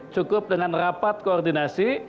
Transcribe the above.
cukup dengan rapat koordinasi